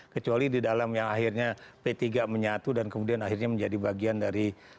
kecuali di dalam yang akhirnya p tiga menyatu dan kemudian akhirnya menjadi bagian dari